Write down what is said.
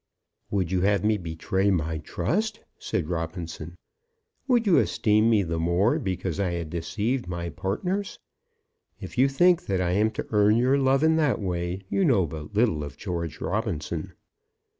"Would you have me betray my trust?" said Robinson. "Would you esteem me the more because I had deceived my partners? If you think that I am to earn your love in that way, you know but little of George Robinson."